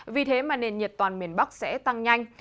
vì thế mà nền nhiệt toàn miền bắc sẽ tăng nhanh